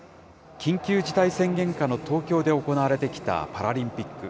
緊急事態宣言下の東京で行われてきたパラリンピック。